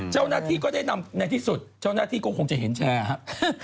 เจ้าหน้าที่ก็ได้นำในที่สุดเจ้าหน้าที่ก็คงจะเห็นแชร์ครับ